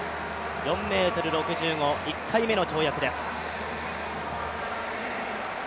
４ｍ６５、１回目の跳躍です。